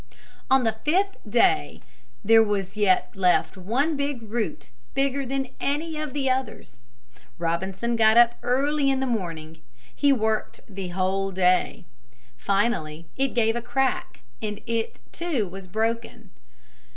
On the fifth day there was yet left one big root, bigger than any of the others. Robinson got up early in the morning. He worked the whole day. Finally it gave a crack and it, too, was broken.